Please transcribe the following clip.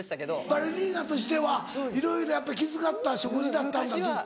バレリーナとしてはいろいろ気遣った食事だったんだずっと。